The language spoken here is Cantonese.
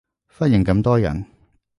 忽然咁多人